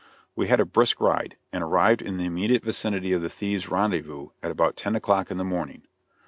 We had a brisk ride, and arrived in the immediate vicinity of the thieves' rendezvous at about ten o'clock in the morning.